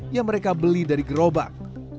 yang mereka beli dari gerobak